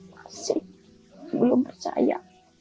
masih belum percaya